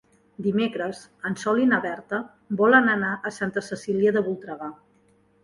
Dimecres en Sol i na Berta volen anar a Santa Cecília de Voltregà.